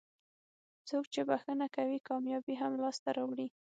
څوک چې بښنه کوي کامیابي هم لاسته راوړي.